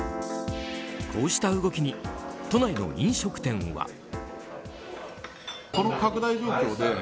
こうした動きに都内の飲食店は。